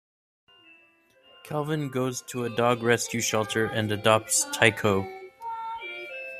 Calvin goes to a dog rescue shelter and adopts Tyco.